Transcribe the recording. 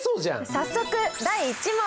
早速第１問！